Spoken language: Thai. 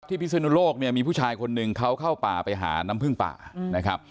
ตอนนี้ที่พิษเลียนโลกมีผู้ชายคนหนึ่งเขาเข้าป่าไปหาน้ำผึ้งป่า